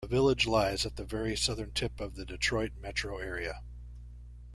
The village lies at the very southern tip of the Detroit metro area.